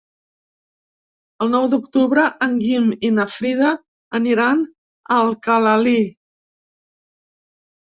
El nou d'octubre en Guim i na Frida aniran a Alcalalí.